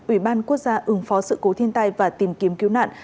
ủy ban quốc gia ứng phó sự cố thiên tai và tìm kiếm cứu nạn